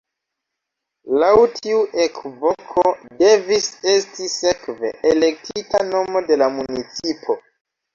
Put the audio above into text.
Laŭ tiu ekvoko devis esti sekve elektita nomo de la municipo.